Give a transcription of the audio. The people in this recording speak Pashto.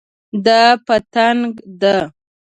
دا پتنګ ده